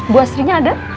bu astrinya ada